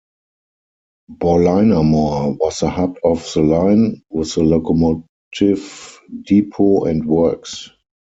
Ballinamore was the hub of the line, with the locomotive depot and works.